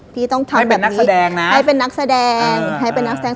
พี่ต้องทำแบบนี้ให้เป็นนักแสดง